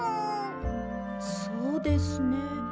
そうですね。